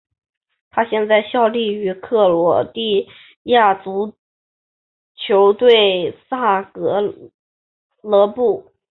他现在效力于克罗地亚球队萨格勒布。